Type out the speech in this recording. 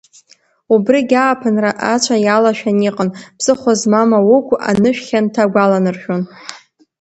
Убрыгь ааԥынра ацәа иалашәан иҟан, ԥсыхәа змам аугә, анышә хьанҭа агәаланаршәон.